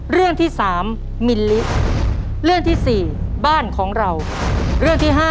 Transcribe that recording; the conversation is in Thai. เรื่องแซนวิชครับ